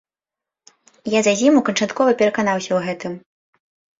Я за зіму канчаткова пераканаўся ў гэтым.